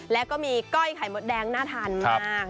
แล้วก็มีก้อยไข่มดแดงน่าทานมาก